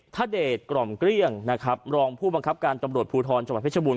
เดชกล่อมเกลี้ยงนะครับรองผู้บังคับการตำรวจภูทรจังหวัดเพชรบูร